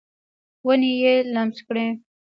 ونې یې لمس کړي